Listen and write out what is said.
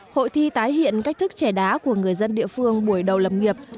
hội thi tái hiện cách thức trẻ đá của người dân địa phương buổi đầu lập nghiệp